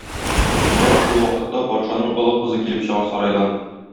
Нәкъ шул вакытта патшаның олы кызы килеп чыга сарайдан.